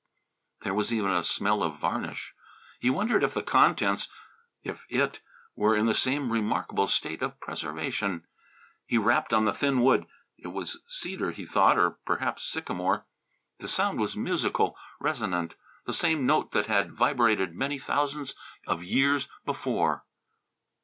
There was even a smell of varnish. He wondered if the contents if It were in the same remarkable state of preservation. He rapped on the thin wood it was cedar, he thought, or perhaps sycamore. The sound was musical, resonant; the same note that had vibrated how many thousands of years before.